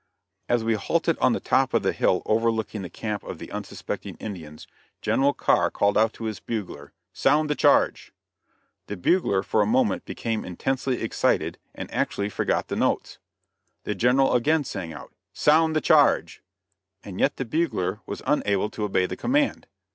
As we halted on the top of the hill overlooking the camp of the unsuspecting Indians, General Carr called out to his bugler: "Sound the charge!" The bugler for a moment became intensely excited, and actually forgot the notes. The General again sang out: "Sound the charge!" and yet the bugler was unable to obey the command.